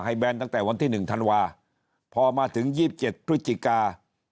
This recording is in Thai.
แบนตั้งแต่วันที่๑ธันวาพอมาถึง๒๗พฤศจิกา